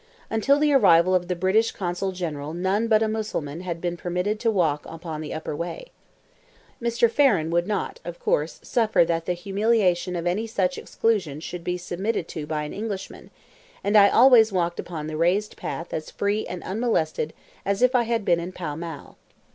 Until the arrival of the British consul general none but a Mussulman had been permitted to walk upon the upper way. Mr. Farren would not, of course, suffer that the humiliation of any such exclusion should be submitted to by an Englishman, and I always walked upon the raised path as free and unmolested as if I had been in Pall Mall.